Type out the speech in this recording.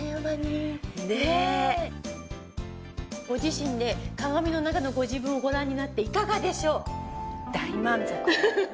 ご自身で鏡の中のご自分をご覧になっていかがでしょう？